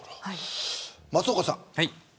松岡さん。